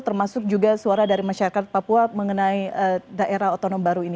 termasuk juga suara dari masyarakat papua mengenai daerah otonom baru ini